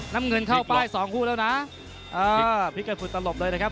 น้ำเงินเข้าไป๒คู่แล้วนะอ่าพริกกัดผุตลปเลยนะครับ